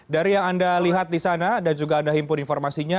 dari yang anda lihat di sana dan juga anda himpun informasinya